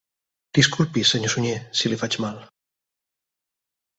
Disculpi, senyor Sunyer, si li faig mal...